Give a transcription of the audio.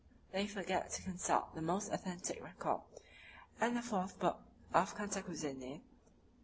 They forget to consult the most authentic record, the ivth book of Cantacuzene.